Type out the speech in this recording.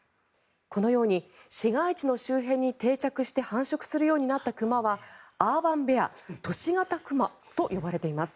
このように市街地の周辺に定着して繁殖するようになった熊はアーバン・ベア都市型熊と呼ばれています。